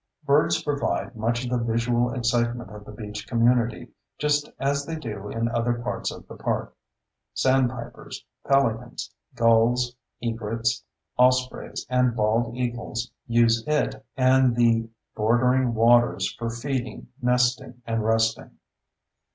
Birds provide much of the visual excitement of the beach community, just as they do in other parts of the park. Sandpipers, pelicans, gulls, egrets, ospreys, and bald eagles use it and the bordering waters for feeding, nesting, and resting.